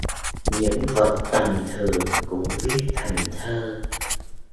Những vật tầm thường cũng viết thành thơ